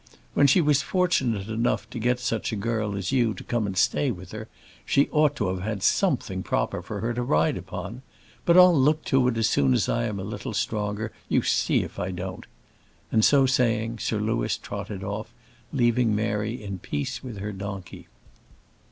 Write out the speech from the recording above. "When she was fortunate enough to get such a girl as you to come and stay with her, she ought to have had something proper for her to ride upon; but I'll look to it as soon as I am a little stronger, you see if I don't;" and, so saying, Sir Louis trotted off, leaving Mary in peace with her donkey.